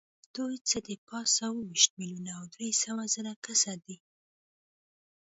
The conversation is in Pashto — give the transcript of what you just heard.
دوی څه د پاسه اووه ویشت میلیونه او درې سوه زره کسه دي.